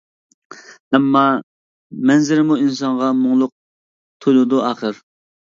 ئەمما مەنزىرىمۇ ئىنسانغا مۇڭلۇق تۇيۇلىدۇ ئاخىر.